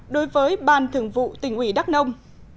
đối với ban thường vụ tỉnh ủy đắc nông